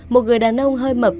một người đàn ông hơi mập